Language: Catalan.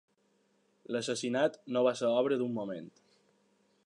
L'assassinat no va ser obra d'un moment.